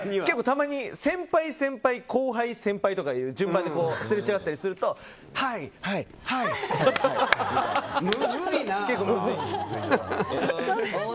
たまに先輩、先輩、後輩、先輩とかいう順番ですれ違ったりするとはい、はい、はい、はいと。